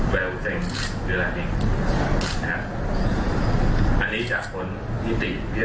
แวร์อูเซ็งหรือไหล่อันนี้จากคนที่ติดวิทยาศาสตร์